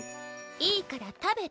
いいから食べて！